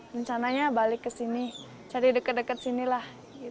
rencananya balik ke sini cari dekat dekat sini lah